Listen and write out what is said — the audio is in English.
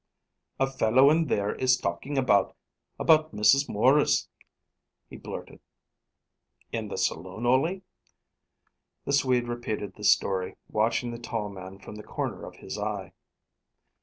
"A fellow in there is talking about about Mrs. Maurice," he blurted. "In the saloon, Ole?" The Swede repeated the story, watching the tall man from the corner of his eye.